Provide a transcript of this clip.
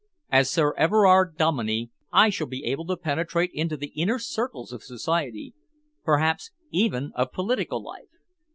As Sir Everard Dominey I shall be able to penetrate into the inner circles of Society perhaps, even, of political life.